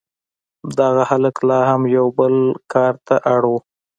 دغه هلک لا هم یو بل کار ته اړ و